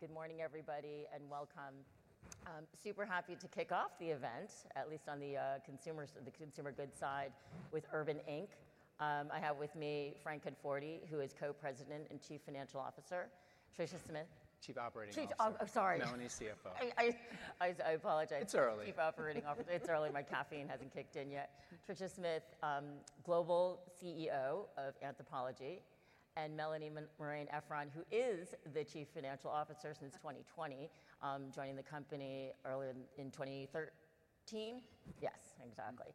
Good morning, everybody, and welcome. Super happy to kick off the event, at least on the consumer goods side, with Urban Outfitters Inc. I have with me Frank Conforti, who is Co-President and Chief Operating Officer. Trisha Smith. Chief Operating Officer. Chief—oh, sorry. Melanie's CFO. I apologize. It's early. Chief Operating Officer. It's early. My caffeine hasn't kicked in yet. Trisha Smith, Global CEO of Anthropologie, and Melanie Marein-Efron, who is the Chief Financial Officer since 2020, joining the company earlier in 2013. Yes, exactly.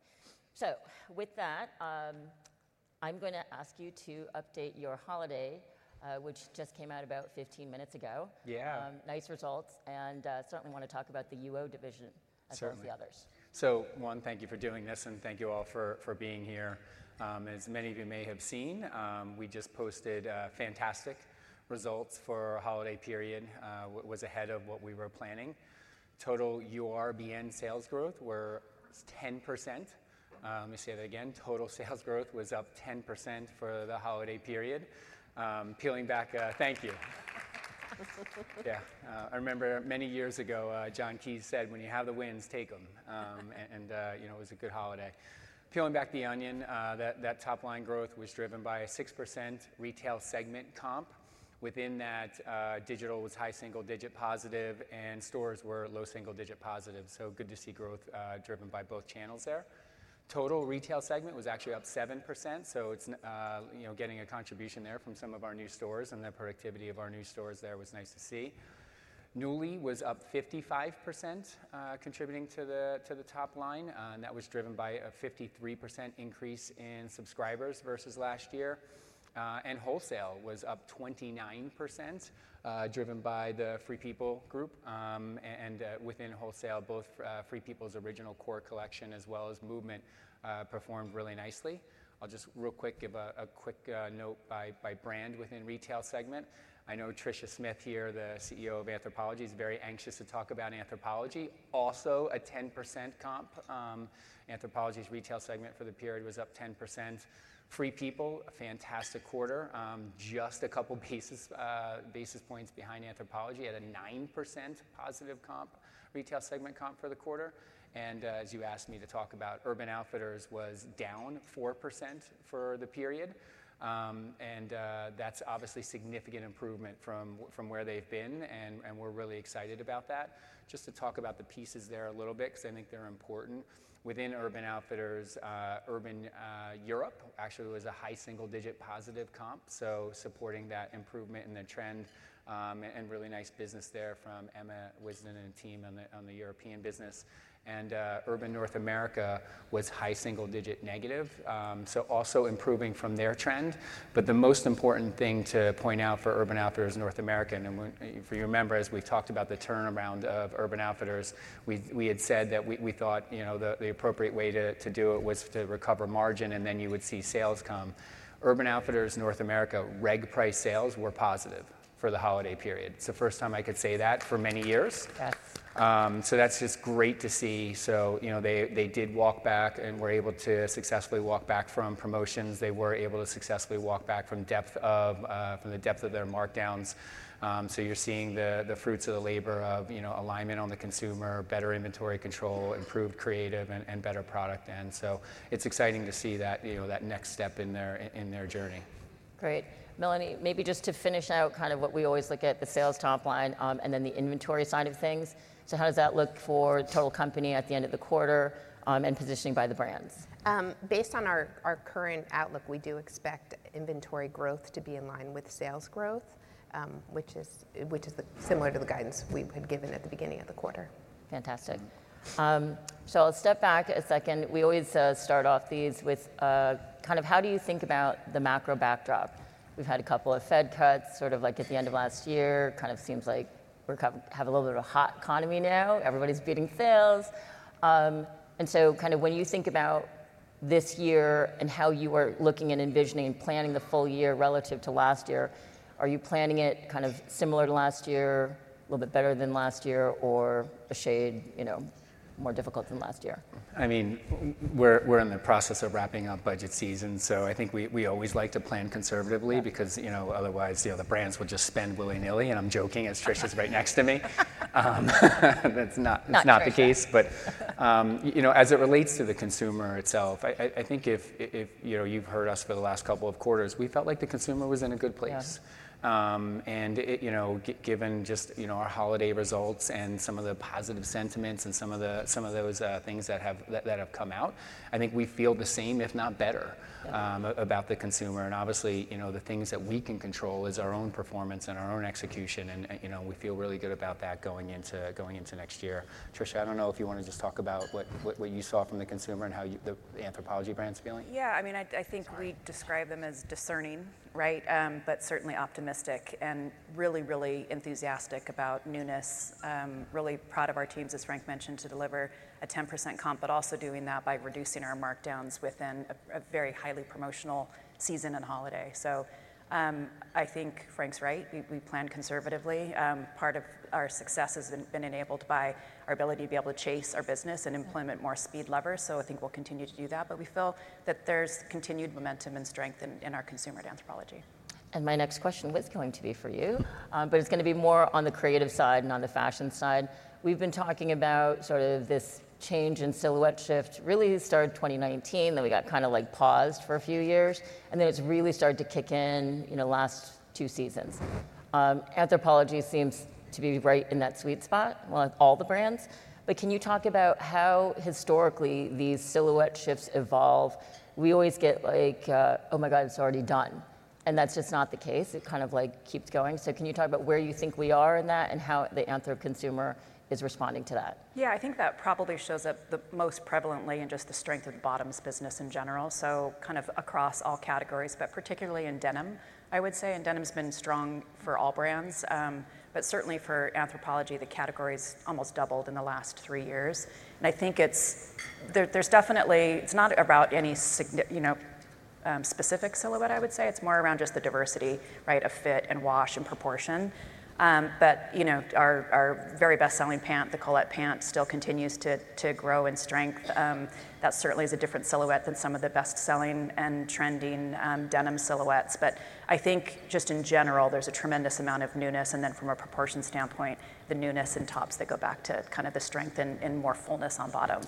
So with that, I'm going to ask you to update your holiday, which just came out about 15 minutes ago. Yeah. Nice results. And certainly want to talk about the UO division. Certainly. As well as the others. So one, thank you for doing this, and thank you all for being here. As many of you may have seen, we just posted fantastic results for a holiday period. It was ahead of what we were planning. Total URBN sales growth was 10%. Let me say that again. Total sales growth was up 10% for the holiday period. Peeling back, thank you. Yeah. I remember many years ago, John Kyees said, "When you have the wins, take them." And it was a good holiday. Peeling back the onion, that top-line growth was driven by a 6% retail segment comp. Within that, digital was high single-digit positive, and stores were low single-digit positive. So good to see growth driven by both channels there. Total retail segment was actually up 7%. It's getting a contribution there from some of our new stores, and the productivity of our new stores there was nice to see. Nuuly was up 55%, contributing to the top line. That was driven by a 53% increase in subscribers versus last year. Wholesale was up 29%, driven by the Free People group. Within Wholesale, both Free People's original core collection as well as Movement performed really nicely. I'll just real quick give a quick note by brand within retail segment. I know Tricia Smith here, the CEO of Anthropologie, is very anxious to talk about Anthropologie. Also, a 10% comp. Anthropologie's retail segment for the period was up 10%. Free People, a fantastic quarter. Just a couple basis points behind Anthropologie at a 9% positive comp, retail segment comp for the quarter. As you asked me to talk about, Urban Outfitters was down 4% for the period. That's obviously a significant improvement from where they've been, and we're really excited about that. Just to talk about the pieces there a little bit, because I think they're important. Within Urban Outfitters, Urban Europe actually was a high single-digit positive comp, so supporting that improvement in the trend. Really nice business there from Emma Wisden and team on the European business. Urban North America was high single-digit negative, so also improving from their trend. But the most important thing to point out for Urban Outfitters North America, and for you to remember, as we talked about the turnaround of Urban Outfitters, we had said that we thought the appropriate way to do it was to recover margin, and then you would see sales come. Urban Outfitters North America reg price sales were positive for the holiday period. It's the first time I could say that for many years. Yes. That's just great to see. They did walk back and were able to successfully walk back from promotions. They were able to successfully walk back from the depth of their markdowns. You're seeing the fruits of the labor of alignment on the consumer, better inventory control, improved creative, and better product end. It's exciting to see that next step in their journey. Great. Melanie, maybe just to finish out kind of what we always look at, the sales top line and then the inventory side of things. So how does that look for total company at the end of the quarter and positioning by the brands? Based on our current outlook, we do expect inventory growth to be in line with sales growth, which is similar to the guidance we had given at the beginning of the quarter. Fantastic. So I'll step back a second. We always start off these with kind of how do you think about the macro backdrop? We've had a couple of Fed cuts sort of like at the end of last year. Kind of seems like we have a little bit of a hot economy now. Everybody's beating sales. And so kind of when you think about this year and how you are looking and envisioning and planning the full year relative to last year, are you planning it kind of similar to last year, a little bit better than last year, or a shade more difficult than last year? I mean, we're in the process of wrapping up budget season, so I think we always like to plan conservatively because otherwise the brands will just spend willy-nilly, and I'm joking as Trisha's right next to me. That's not the case, but as it relates to the consumer itself, I think if you've heard us for the last couple of quarters, we felt like the consumer was in a good place, and given just our holiday results and some of the positive sentiments and some of those things that have come out, I think we feel the same, if not better, about the consumer, and obviously, the things that we can control is our own performance and our own execution, and we feel really good about that going into next year. Trisha, I don't know if you want to just talk about what you saw from the consumer and how the Anthropologie brand's feeling. Yeah. I mean, I think we describe them as discerning, right, but certainly optimistic and really, really enthusiastic about newness. Really proud of our teams, as Frank mentioned, to deliver a 10% comp, but also doing that by reducing our markdowns within a very highly promotional season and holiday. So I think Frank's right. We plan conservatively. Part of our success has been enabled by our ability to be able to chase our business and implement more speed levers. So I think we'll continue to do that. But we feel that there's continued momentum and strength in our consumer at Anthropologie. My next question was going to be for you, but it's going to be more on the creative side and on the fashion side. We've been talking about sort of this change and silhouette shift really started 2019, then we got kind of like paused for a few years, and then it's really started to kick in last two seasons. Anthropologie seems to be right in that sweet spot among all the brands. Can you talk about how historically these silhouette shifts evolve? We always get like, "Oh my God, it's already done." That's just not the case. It kind of like keeps going. Can you talk about where you think we are in that and how the Anthropologie consumer is responding to that? Yeah. I think that probably shows up the most prevalently in just the strength of the bottoms business in general. So kind of across all categories, but particularly in denim, I would say. And denim's been strong for all brands. But certainly for Anthropologie, the categories almost doubled in the last three years. And I think there's definitely it's not about any specific silhouette, I would say. It's more around just the diversity, right, of fit and wash and proportion. But our very best-selling pant, the Colette pant, still continues to grow in strength. That certainly is a different silhouette than some of the best-selling and trending denim silhouettes. But I think just in general, there's a tremendous amount of newness. And then from a proportion standpoint, the newness in tops that go back to kind of the strength and more fullness on bottom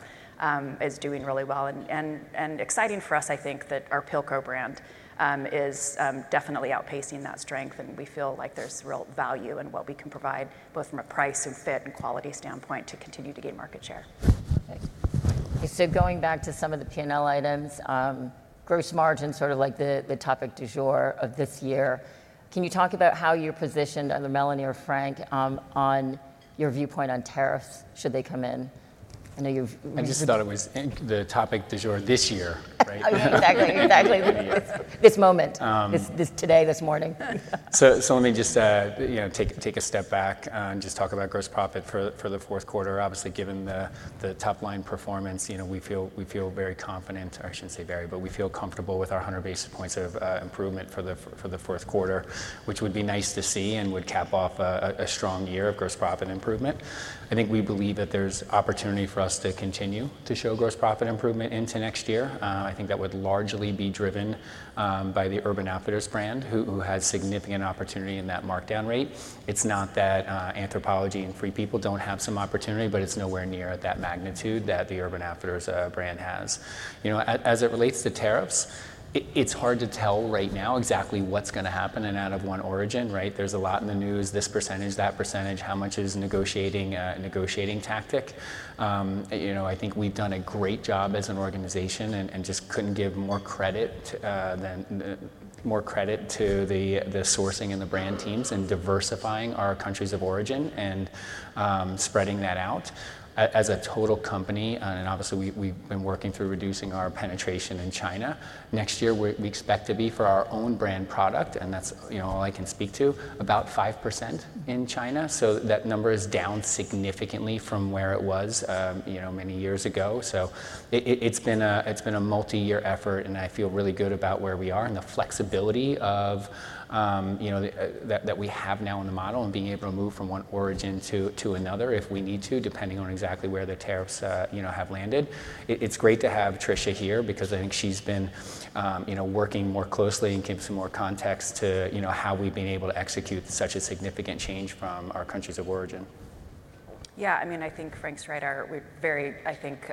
is doing really well. And exciting for us, I think, that our Pilcro brand is definitely outpacing that strength, and we feel like there's real value in what we can provide both from a price and fit and quality standpoint to continue to gain market share. So going back to some of the P&L items, gross margin sort of like the topic du jour of this year. Can you talk about how you're positioned, either Melanie or Frank, on your viewpoint on tariffs should they come in? I know you've. I just thought it was the topic du jour this year, right? Exactly. Exactly. This moment, today, this morning. So let me just take a step back and just talk about gross profit for the fourth quarter. Obviously, given the top-line performance, we feel very confident. I shouldn't say very, but we feel comfortable with our 100 basis points of improvement for the fourth quarter, which would be nice to see and would cap off a strong year of gross profit improvement. I think we believe that there's opportunity for us to continue to show gross profit improvement into next year. I think that would largely be driven by the Urban Outfitters brand, who has significant opportunity in that markdown rate. It's not that Anthropologie and Free People don't have some opportunity, but it's nowhere near at that magnitude that the Urban Outfitters brand has. As it relates to tariffs, it's hard to tell right now exactly what's going to happen in out-of-China origin, right? There's a lot in the news, this percentage, that percentage, how much is a negotiating tactic. I think we've done a great job as an organization, and I just couldn't give more credit to the sourcing and the brand teams and diversifying our countries of origin and spreading that out. As a total company, and obviously, we've been working through reducing our penetration in China. Next year, we expect to be for our own brand product, and that's all I can speak to, about 5% in China, so that number is down significantly from where it was many years ago, so it's been a multi-year effort, and I feel really good about where we are and the flexibility that we have now in the model and being able to move from one origin to another if we need to, depending on exactly where the tariffs have landed. It's great to have Trisha here because I think she's been working more closely and gives some more context to how we've been able to execute such a significant change from our countries of origin. Yeah. I mean, I think Frank's right. We're very, I think,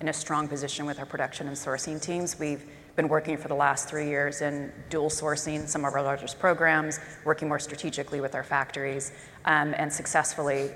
in a strong position with our production and sourcing teams. We've been working for the last three years in dual sourcing, some of our largest programs, working more strategically with our factories, and successfully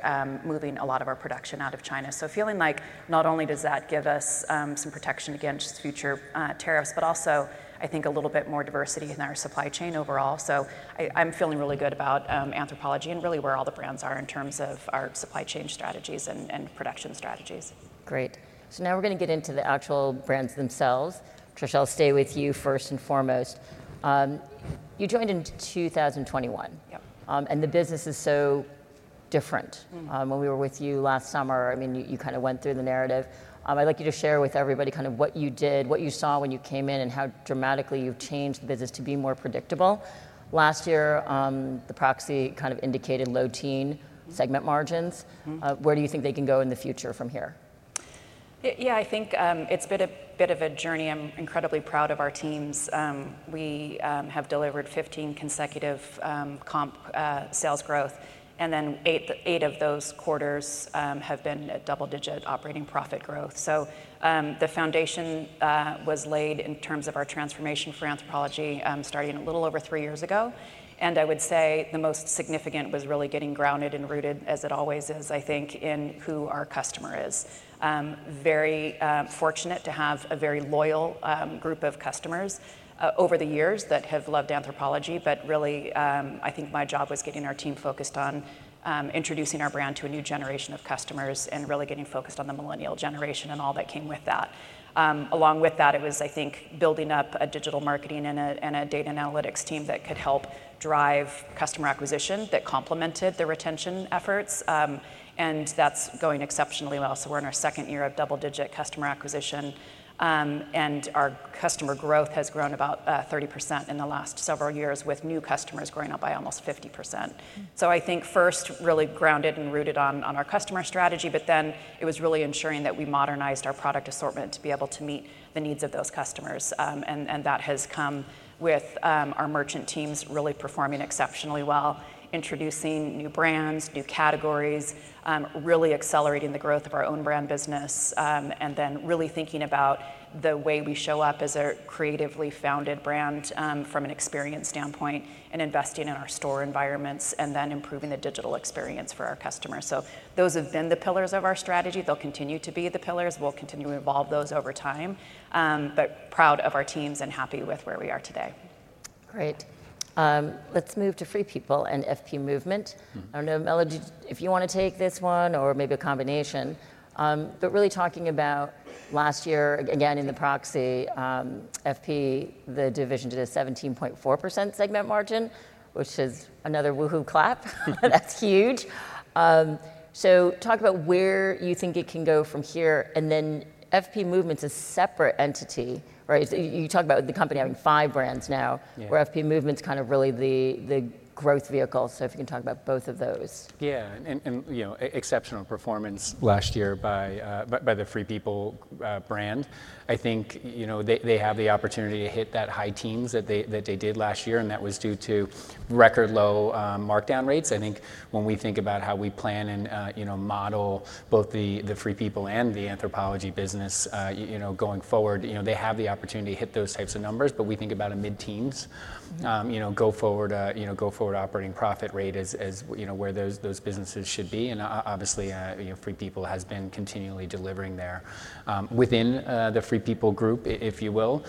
moving a lot of our production out of China. So feeling like not only does that give us some protection against future tariffs, but also, I think, a little bit more diversity in our supply chain overall. So I'm feeling really good about Anthropologie and really where all the brands are in terms of our supply chain strategies and production strategies. Great. So now we're going to get into the actual brands themselves. Trisha, I'll stay with you first and foremost. You joined in 2021. Yep. The business is so different. When we were with you last summer, I mean, you kind of went through the narrative. I'd like you to share with everybody kind of what you did, what you saw when you came in, and how dramatically you've changed the business to be more predictable. Last year, the proxy kind of indicated low-teens segment margins. Where do you think they can go in the future from here? Yeah. I think it's been a bit of a journey. I'm incredibly proud of our teams. We have delivered 15 consecutive comp sales growth, and then eight of those quarters have been double-digit operating profit growth. So the foundation was laid in terms of our transformation for Anthropologie starting a little over three years ago. And I would say the most significant was really getting grounded and rooted, as it always is, I think, in who our customer is. Very fortunate to have a very loyal group of customers over the years that have loved Anthropologie. But really, I think my job was getting our team focused on introducing our brand to a new generation of customers and really getting focused on the millennial generation and all that came with that. Along with that, it was, I think, building up a digital marketing and a data analytics team that could help drive customer acquisition that complemented the retention efforts. And that's going exceptionally well. So we're in our second year of double-digit customer acquisition. And our customer growth has grown about 30% in the last several years with new customers growing up by almost 50%. So I think first really grounded and rooted on our customer strategy, but then it was really ensuring that we modernized our product assortment to be able to meet the needs of those customers. And that has come with our merchant teams really performing exceptionally well, introducing new brands, new categories, really accelerating the growth of our own brand business, and then really thinking about the way we show up as a creatively founded brand from an experience standpoint and investing in our store environments and then improving the digital experience for our customers. So those have been the pillars of our strategy. They will continue to be the pillars. We will continue to evolve those over time. But we are proud of our teams and happy with where we are today. Great. Let's move to Free People and FP Movement. I don't know, Melanie, if you want to take this one or maybe a combination. But really talking about last year, again, in the proxy, FP, the division did a 17.4% segment margin, which is another woohoo clap. That's huge. So talk about where you think it can go from here. And then FP Movement's a separate entity, right? You talk about the company having five brands now, where FP Movement's kind of really the growth vehicle. So if you can talk about both of those. Yeah. Exceptional performance last year by the Free People brand. I think they have the opportunity to hit that high teens that they did last year, and that was due to record low markdown rates. I think when we think about how we plan and model both the Free People and the Anthropologie business going forward, they have the opportunity to hit those types of numbers. But we think about a mid-teens go-forward operating profit rate as where those businesses should be. And obviously, Free People has been continually delivering there. Within the Free People group, if you will,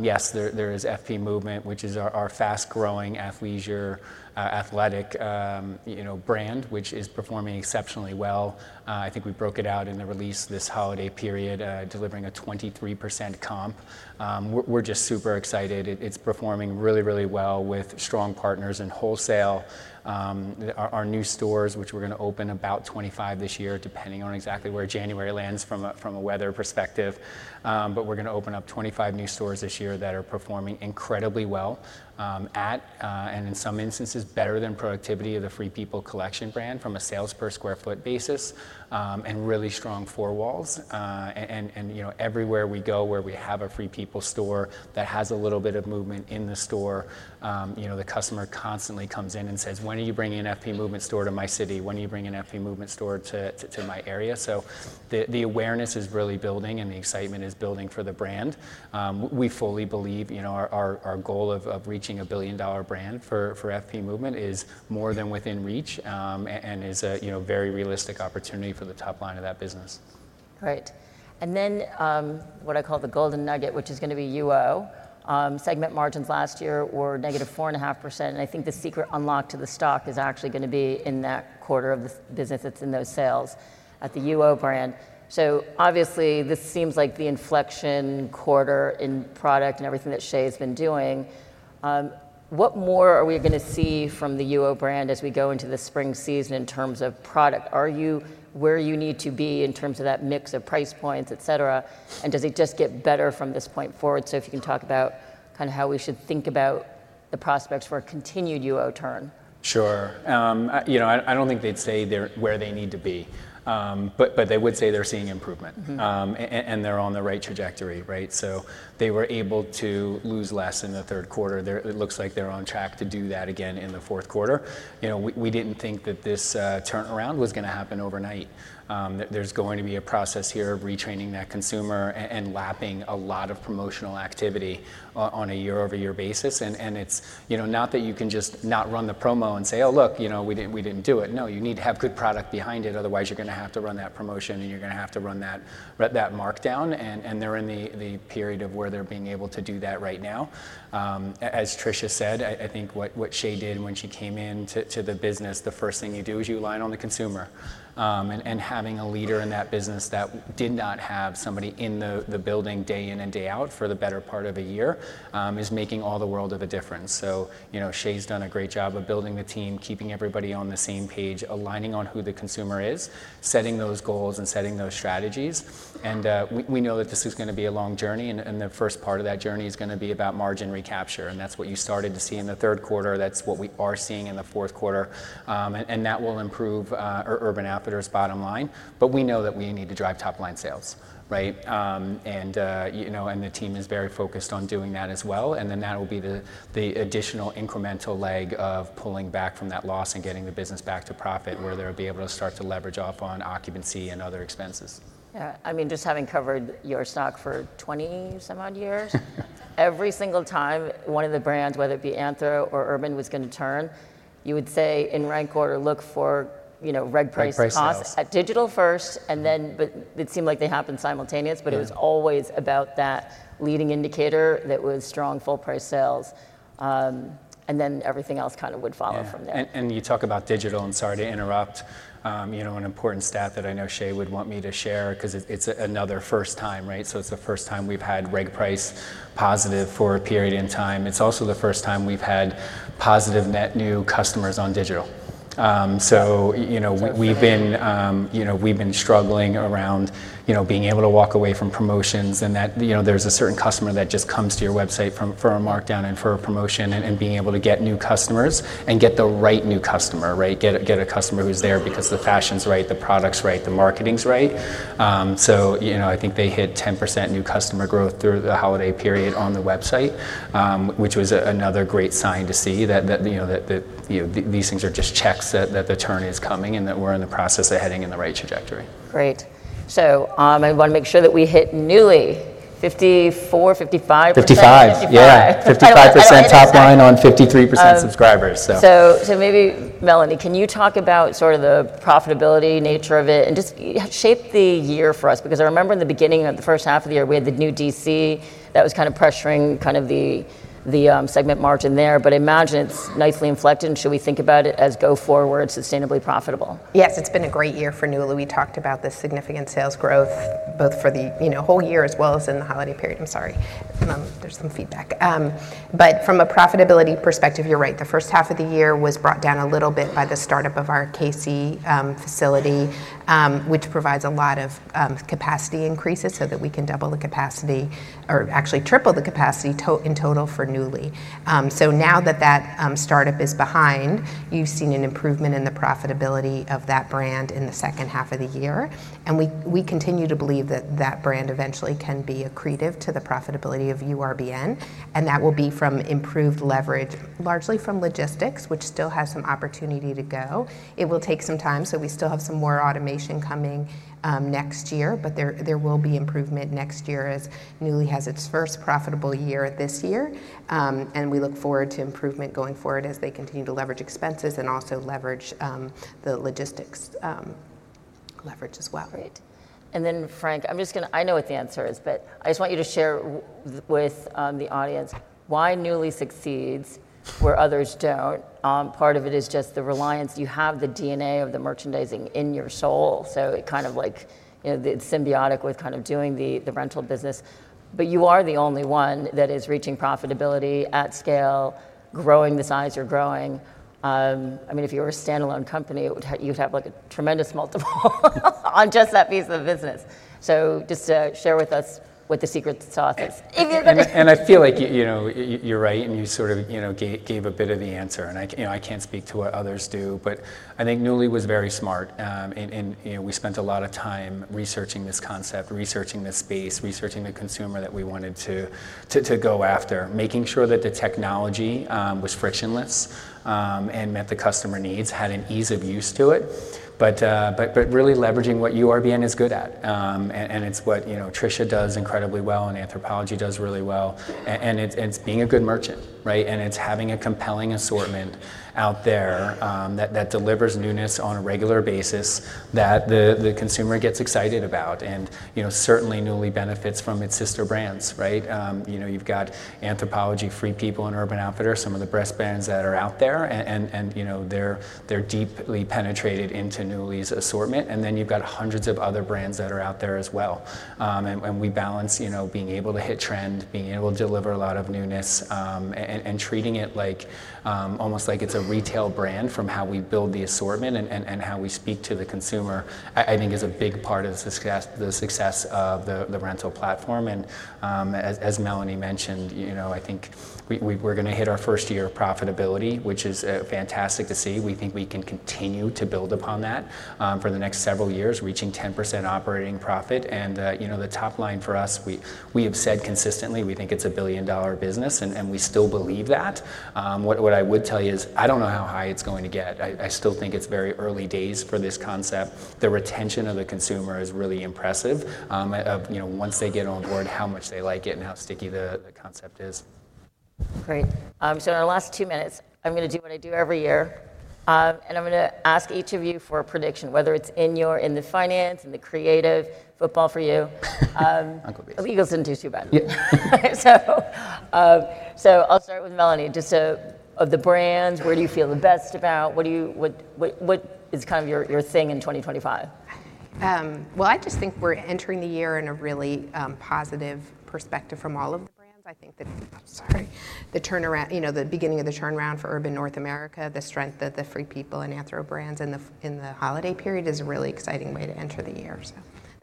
yes, there is FP Movement, which is our fast-growing athletic brand, which is performing exceptionally well. I think we broke it out in the release this holiday period, delivering a 23% comp. We're just super excited. It's performing really, really well with strong partners and wholesale. Our new stores, which we're going to open about 25 this year, depending on exactly where January lands from a weather perspective, but we're going to open up 25 new stores this year that are performing incredibly well at, and in some instances, better than productivity of the Free People collection brand from a sales per sq ft basis and really strong four walls, and everywhere we go where we have a Free People store that has a little bit of movement in the store, the customer constantly comes in and says, "When are you bringing an FP Movement store to my city? When are you bringing an FP Movement store to my area?" so the awareness is really building, and the excitement is building for the brand. We fully believe our goal of reaching a billion-dollar brand for FP Movement is more than within reach and is a very realistic opportunity for the top line of that business. Great. And then what I call the golden nugget, which is going to be UO, segment margins last year were negative 4.5%. And I think the secret unlock to the stock is actually going to be in that quarter of the business that's in those sales at the UO brand. So obviously, this seems like the inflection quarter in product and everything that Shea has been doing. What more are we going to see from the UO brand as we go into the spring season in terms of product? Where do you need to be in terms of that mix of price points, etc.? And does it just get better from this point forward? So if you can talk about kind of how we should think about the prospects for a continued UO turn. Sure. I don't think they'd say they're where they need to be, but they would say they're seeing improvement, and they're on the right trajectory, right? So they were able to lose less in the third quarter. It looks like they're on track to do that again in the fourth quarter. We didn't think that this turnaround was going to happen overnight. There's going to be a process here of retraining that consumer and lapping a lot of promotional activity on a year-over-year basis. And it's not that you can just not run the promo and say, "Oh, look, we didn't do it." No, you need to have good product behind it. Otherwise, you're going to have to run that promotion, and you're going to have to run that markdown. And they're in the period of where they're being able to do that right now. As Trisha said, I think what Shea did when she came into the business, the first thing you do is you align on the consumer. And having a leader in that business that did not have somebody in the building day in and day out for the better part of a year is making all the world of a difference. So Shea's done a great job of building the team, keeping everybody on the same page, aligning on who the consumer is, setting those goals, and setting those strategies. And we know that this is going to be a long journey, and the first part of that journey is going to be about margin recapture. And that's what you started to see in the third quarter. That's what we are seeing in the fourth quarter. And that will improve Urban Outfitters' bottom line. But we know that we need to drive top-line sales, right? And the team is very focused on doing that as well. And then that will be the additional incremental leg of pulling back from that loss and getting the business back to profit where they'll be able to start to leverage off on occupancy and other expenses. Yeah. I mean, just having covered your stock for 20 some odd years, every single time, one of the brands, whether it be Anthro or Urban, was going to turn, you would say in rank order, look for reg price cost at digital first, and then it seemed like they happened simultaneously, but it was always about that leading indicator that was strong full-price sales, and then everything else kind of would follow from there. You talk about digital. Sorry to interrupt, an important stat that I know Shea would want me to share because it's another first time, right? It's the first time we've had reg price positive for a period in time. It's also the first time we've had positive net new customers on digital. We've been struggling around being able to walk away from promotions and that there's a certain customer that just comes to your website for a markdown and for a promotion and being able to get new customers and get the right new customer, right? Get a customer who's there because the fashion's right, the product's right, the marketing's right. I think they hit 10% new customer growth through the holiday period on the website, which was another great sign to see that these things are just checks that the turn is coming and that we're in the process of heading in the right trajectory. Great. So I want to make sure that we hit Nuuly 54%-55%. 55%. Yeah. 55% top line on 53% subscribers. So, maybe Melanie, can you talk about sort of the profitability nature of it and just shape the year for us? Because I remember in the beginning of the first half of the year, we had the new DC that was kind of pressuring kind of the segment margin there. But imagine it's nicely inflected. And should we think about it as go forward sustainably profitable? Yes. It's been a great year for Nuuly. We talked about the significant sales growth both for the whole year as well as in the holiday period, but from a profitability perspective, you're right. The first half of the year was brought down a little bit by the startup of our KC facility, which provides a lot of capacity increases so that we can double the capacity or actually triple the capacity in total for Nuuly. So now that that startup is behind, you've seen an improvement in the profitability of that brand in the second half of the year, and we continue to believe that that brand eventually can be accretive to the profitability of URBN, and that will be from improved leverage, largely from logistics, which still has some opportunity to go. It will take some time. So we still have some more automation coming next year, but there will be improvement next year as Nuuly has its first profitable year this year. And we look forward to improvement going forward as they continue to leverage expenses and also leverage the logistics leverage as well. Great. And then, Frank, I'm just going to. I know what the answer is, but I just want you to share with the audience why Nuuly succeeds where others don't. Part of it is just the reliance. You have the DNA of the merchandising in your soul. So it kind of like it's symbiotic with kind of doing the rental business. But you are the only one that is reaching profitability at scale, growing the size you're growing. I mean, if you were a standalone company, you'd have like a tremendous multiple on just that piece of the business. So just share with us what the secret sauce is. I feel like you're right, and you sort of gave a bit of the answer. I can't speak to what others do, but I think Nuuly was very smart. We spent a lot of time researching this concept, researching this space, researching the consumer that we wanted to go after, making sure that the technology was frictionless and met the customer needs, had an ease of use to it, but really leveraging what URBN is good at. It's what Trisha does incredibly well and Anthropologie does really well. It's being a good merchant, right? It's having a compelling assortment out there that delivers newness on a regular basis that the consumer gets excited about. Certainly, Nuuly benefits from its sister brands, right? You've got Anthropologie, Free People, and Urban Outfitters, some of the best brands that are out there. And they're deeply penetrated into Nuuly's assortment. And then you've got hundreds of other brands that are out there as well. And we balance being able to hit trend, being able to deliver a lot of newness, and treating it almost like it's a retail brand from how we build the assortment and how we speak to the consumer, I think, is a big part of the success of the rental platform. And as Melanie mentioned, I think we're going to hit our first year of profitability, which is fantastic to see. We think we can continue to build upon that for the next several years, reaching 10% operating profit. And the top line for us, we have said consistently, we think it's a $1 billion business, and we still believe that. What I would tell you is I don't know how high it's going to get. I still think it's very early days for this concept. The retention of the consumer is really impressive. Once they get on board, how much they like it and how sticky the concept is. Great. In our last two minutes, I'm going to do what I do every year. I'm going to ask each of you for a prediction, whether it's in the finance, in the creative, football for you. Uncle Bean. Eagles didn't do too bad. So I'll start with Melanie. Just of the brands, where do you feel the best about? What is kind of your thing in 2025? I just think we're entering the year in a really positive perspective from all of the brands. I think that. I'm sorry. The beginning of the turnaround for Urban North America, the strength of the Free People and Anthro brands in the holiday period is a really exciting way to enter the year.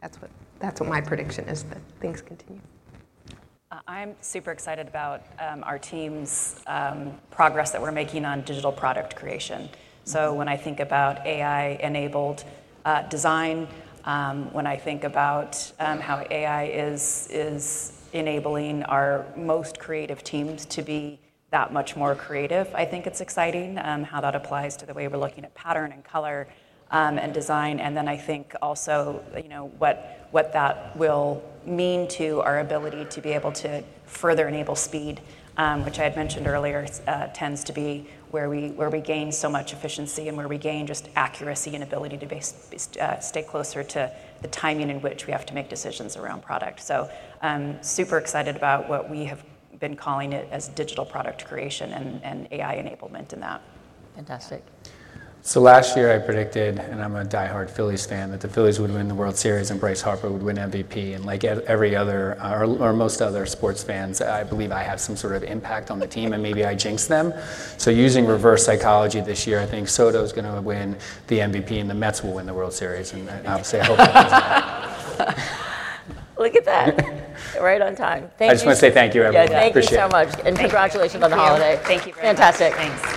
That's what my prediction is, that things continue. I'm super excited about our team's progress that we're making on digital product creation. When I think about AI-enabled design, when I think about how AI is enabling our most creative teams to be that much more creative, I think it's exciting how that applies to the way we're looking at pattern and color and design. And then I think also what that will mean to our ability to be able to further enable speed, which I had mentioned earlier, tends to be where we gain so much efficiency and where we gain just accuracy and ability to stay closer to the timing in which we have to make decisions around product. So super excited about what we have been calling it as digital product creation and AI enablement in that. Fantastic. So last year, I predicted, and I'm a die-hard Phillies fan, that the Phillies would win the World Series, and Bryce Harper would win MVP. And like every other or most other sports fans, I believe I have some sort of impact on the team, and maybe I jinx them. So using reverse psychology this year, I think Soto is going to win the MVP, and the Mets will win the World Series. And obviously, I hope that doesn't happen. Look at that. Right on time. Thank you. I just want to say thank you, everyone. Yeah. Thank you so much. And congratulations on the holiday. Thank you very much. Fantastic. Thanks.